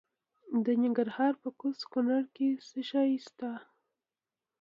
د ننګرهار په کوز کونړ کې څه شی شته؟